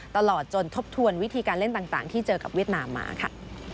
ตลอดจนทบทวนวิธีการเล่นต่างที่เจอกับเวียดนามมาค่ะ